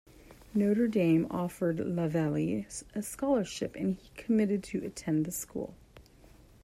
Notre Dame offered Lavelli a scholarship, and he committed to attend the school.